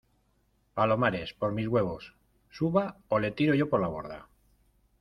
palomares, por mis huevos , suba o le tiro yo por la borda.